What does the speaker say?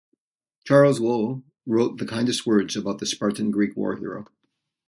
Charles Lowell wrote the kindest words about the Spartan Greek war hero.